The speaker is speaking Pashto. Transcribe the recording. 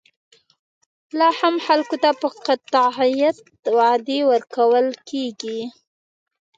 لا هم خلکو ته په قاطعیت وعدې ورکول کېږي.